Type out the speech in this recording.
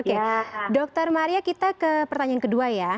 oke dr maria kita ke pertanyaan kedua ya